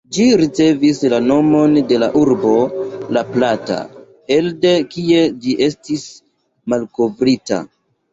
Ĝi ricevis la nomon de la urbo "La Plata", elde kie ĝi estis malkovrita.